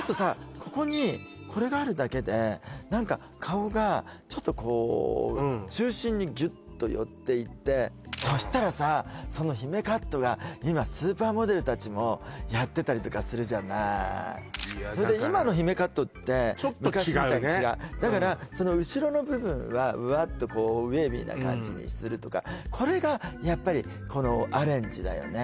ここにこれがあるだけで何か顔がちょっとこう中心にギュッと寄っていってそしたらさその姫カットが今スーパーモデル達もやってたりとかするじゃない今の姫カットって昔みたいと違うちょっと違うねだから後ろの部分はウワッとウェービーな感じにするとかこれがやっぱりアレンジだよね